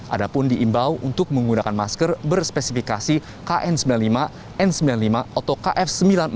ada pun diimbau untuk menggunakan masker berspesifikasi kn sembilan puluh lima n sembilan puluh lima atau kf sembilan puluh lima